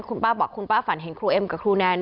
คุณป้าบอกคุณป้าฝันเห็นครูเอ็มกับครูแนน